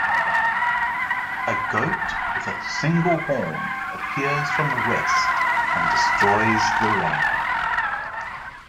A goat with a single horn appears from the west and destroys the ram.